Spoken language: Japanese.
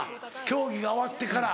競技が終わってから。